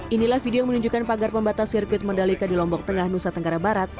inilah video yang menunjukkan pagar pembatas sirkuit mandalika di lombok tengah nusa tenggara barat